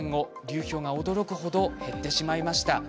流氷が驚くほど減ってしまいました。